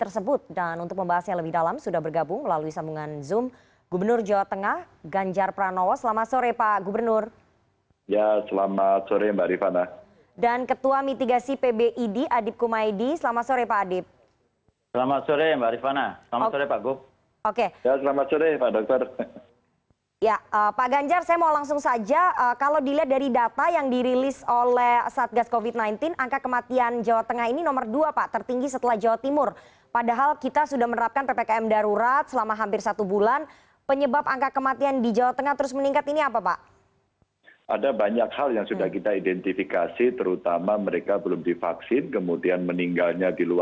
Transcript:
selamat sore mbak rifana